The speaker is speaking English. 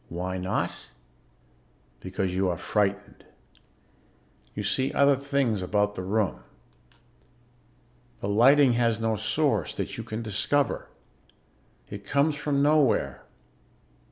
Why not? Because you are frightened. You see other things about the room. The lighting has no source that you can discover. It comes from nowhere.